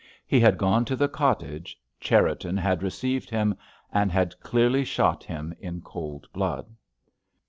He had gone to the cottage, Cherriton had received him, and had clearly shot him in cold blood....